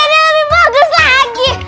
ini lebih bagus lagi